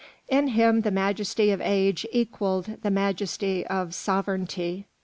In him the majesty of age equalled the majesty of sovereignty.